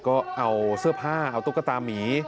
ก็เอาเสื้อผ้าเอาตุ๊กตามี